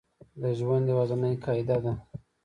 د ژوند یوازینۍ قاعده ده